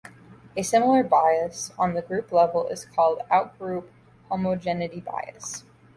A similar bias on the group level is called the outgroup homogeneity bias.